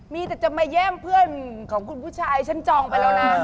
มีแต่จะมาแย่งเพื่อนของคุณผู้ชายฉันจองไปแล้วนะ